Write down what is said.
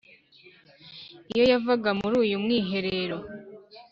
Iyo yavaga muri uyu mwiherero